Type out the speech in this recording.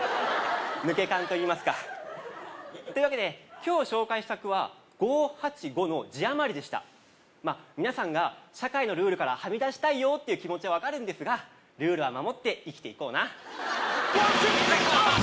抜け感といいますかというわけで今日紹介した句は五八五の字余りでした皆さんが社会のルールからはみ出したいよっていう気持ちは分かるんですがルールは守って生きていこうな先生！